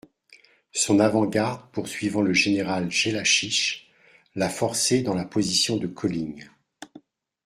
Son avant-garde poursuivant le général Jellachich, l'a forcé dans la position de Colling.